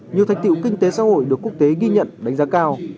nhiều thành tiệu kinh tế xã hội được quốc tế ghi nhận đánh giá cao